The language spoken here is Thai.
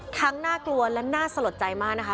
น่ากลัวและน่าสลดใจมากนะคะ